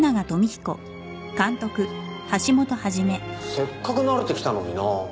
せっかく慣れてきたのになあ。